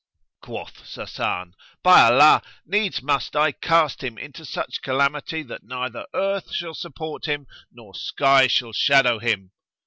Quoth Sasan, "By Allah, needs must I cast him into such calamity that neither earth shall support him nor sky shall shadow him!